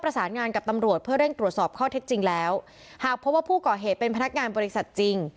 ประสานงานกับตำรวจเพื่อเร่งตรวจสอบข้อเท็จจริงแล้วหากพบว่าผู้ก่อเหตุเป็นพนักงานบริษัทจริง